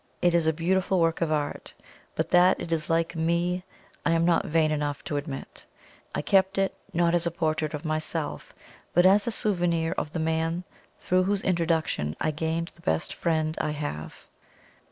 It is a beautiful work of art, but that it is like ME I am not vain enough to admit. I keep it, not as a portrait of myself, but as a souvenir of the man through whose introduction I gained the best friend I have.